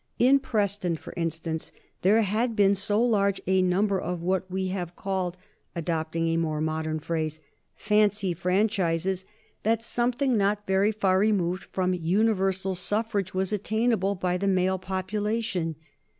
In Preston, for instance, there had been so large a number of what we have called, adopting a more modern phrase, "fancy franchises" that something not very far removed from universal suffrage was attainable by the male population.